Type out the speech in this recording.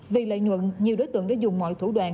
vì lợi nhuận nhiều đối tượng đã dùng mọi thủ đoạn